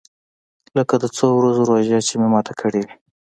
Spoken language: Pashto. لکه د څو ورځو روژه چې مې ماته کړې وي.